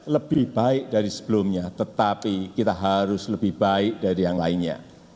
lebih baik dari sebelumnya tetapi kita harus lebih baik dari yang lainnya